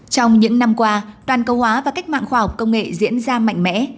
trong những năm qua toàn cầu hóa và cách mạng khoa học công nghệ diễn ra mạnh mẽ